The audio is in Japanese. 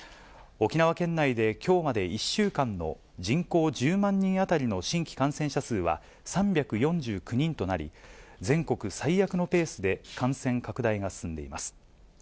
沖縄県内できょうまで１週間の、人口１０万人当たりの新規感染者数は３４９人となり、全国最悪のペースで感染拡大が進んでいます。